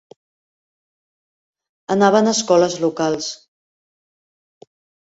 Anaven a escoles locals.